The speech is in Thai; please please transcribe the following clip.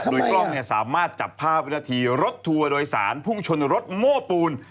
โดยกล้องสามารถจับภาพวินาทีรถทัวร์โดยสารพุ่งชนรถโม้ปูน